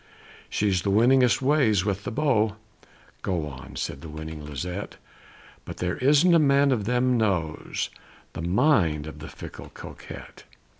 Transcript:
"She's the winningest ways with the beaux" ("Go on!" said the winning Lisette), "But there isn't a man of them knows The mind of the fickle Coquette!